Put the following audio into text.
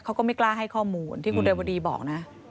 เขาก็ไม่กล้าให้ข้อมูลที่คุณเรวดีบอกนะ